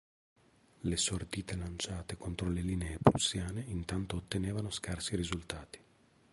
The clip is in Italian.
Le sortite lanciate contro le linee prussiane intanto ottenevano scarsi risultati.